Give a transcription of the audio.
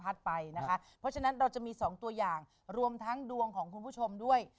เพราะฉะนั้นเราจะมี๒ตัวอย่างรวมทั้งดวงของคุณผู้ชมด้วย